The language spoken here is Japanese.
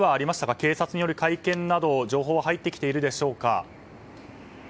警察による会見など情報は入ってきているでしょうか。